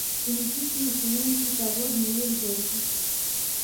ښوونځی کې ښوونکي ته غوږ نیول ضروري دي